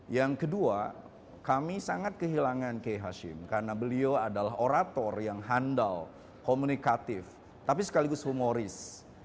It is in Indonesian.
yang kedua kami sangat kehilangan kiai hashim karena beliau adalah orator yang handal komunikatif tapi sekaligus humoris